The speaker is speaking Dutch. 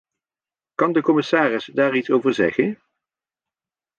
Kan de commissaris daar iets over zeggen?